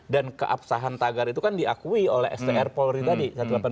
dan keabsahan tagar itu kan diakui oleh sdr polri tadi